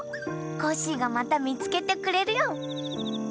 コッシーがまたみつけてくれるよ。